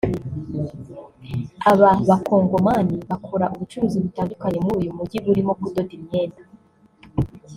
Aba bacongomani bakora ubucuruzi butandukanye muri uyu mujyi burimo kudoda imyenda